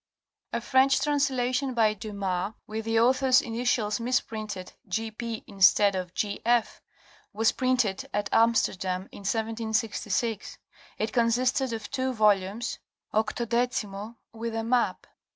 A French translation by Dumas, with the author's initials misprinted G. P. instead of G. F., was printed at Amsterdam in 1766. It consisted of two volumes, 18mo, with a map.